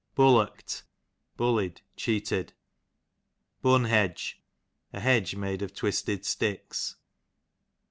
Bullockt, bullied, cheated. Bun liedge, a hedge made of taisUd sticks.